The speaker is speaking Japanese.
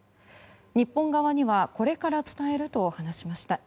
日本側にはこれから伝えると話しました。